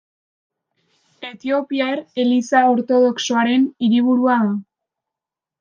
Etiopiar Eliza Ortodoxoaren hiriburua da.